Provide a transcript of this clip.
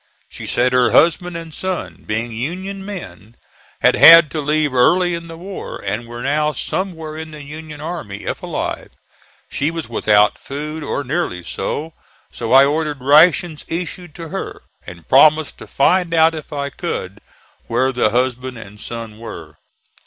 She said her husband and son, being, Union men, had had to leave early in the war, and were now somewhere in the Union army, if alive. She was without food or nearly so, so I ordered rations issued to her, and promised to find out if I could where the husband and son were.